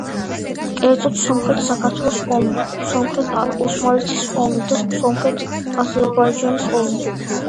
კერძოდ: სომხეთ-საქართველოს ომი, სომხეთ-ოსმალეთის ომი და სომხეთ-აზერბაიჯანის ომი.